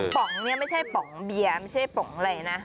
ป๋องเนี่ยไม่ใช่ป๋องเบียร์ไม่ใช่ป๋องอะไรนะ